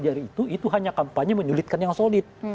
dari itu itu hanya kampanye menyulitkan yang solid